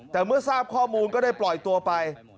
แต่เมื่อทราบข้อมูลก็ได้ปล่อยตัวไป